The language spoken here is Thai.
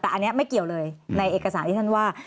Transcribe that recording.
แต่อันนี้ไม่เกี่ยวเลยในเอกสารที่ท่านว่า